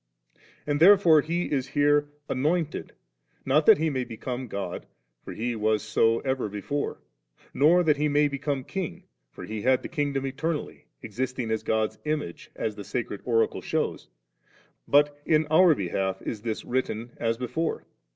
And therefore He is here 'anofnted,' not that He may become God, for He was so even before ; nor that He may become King, for He had the Kingdom eternally, existing as God's Image, as the sacred Oracle shews; but in our behalf is this written, as before.